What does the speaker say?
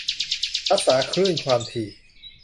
รักษาคลื่นความถี่